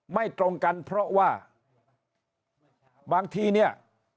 ไม่ตรงกันเพราะว่าบางทีเนี่ย